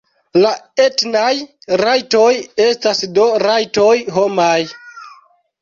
La etnaj rajtoj estas do rajtoj homaj.